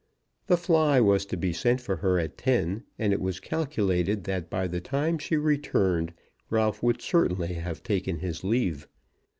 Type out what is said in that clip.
The fly was to be sent for her at ten, and it was calculated that by the time she returned, Ralph would certainly have taken his leave.